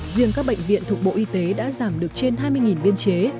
riêng các bệnh viện thuộc bộ y tế đã giảm được trên hai mươi biên chế